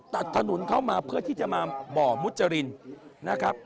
ตัดถนนเข้ามาเพื่อที่จะมาบ่อมุจรินนะครับ